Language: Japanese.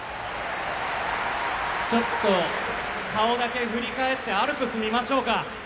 ちょっと顔だけ振り返ってアルプス見ましょうか。